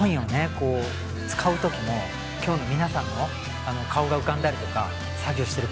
こう使うときも今日の皆さんの顔が浮かんだりとか作業してる